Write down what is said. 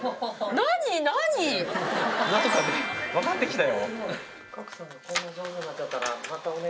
何かね分かってきたよ。